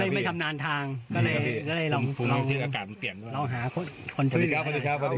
แล้วไม่ทำนานทางก็เลยก็เลยเราเราหาคนสวัสดีครับสวัสดีครับ